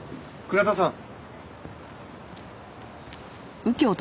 倉田さん。